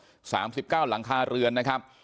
ต่อโถสามสิบเก้ารางคาเรือนนะครับ